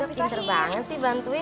ih pintar banget sih bantuin